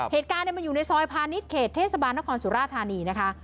เหตุการณ์มันอยู่ในซอยพาณิชย์เขตเทศบาลนครสุราธานีนะคะ